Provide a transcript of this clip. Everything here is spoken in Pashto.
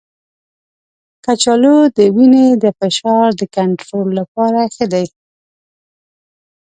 کچالو د وینې د فشار د کنټرول لپاره ښه دی.